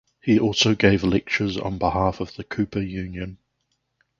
He also gave lectures on behalf of the Cooper Union.